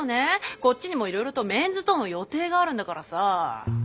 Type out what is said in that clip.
こっちにもいろいろとメンズとの予定があるんだからさ。